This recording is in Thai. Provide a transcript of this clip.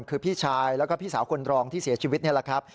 คือพี่ชายแล้วก็พี่สาวคนรองที่เสียชีวิตนี่แหละครับ